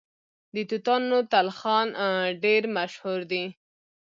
د توتانو تلخان ډیر مشهور دی.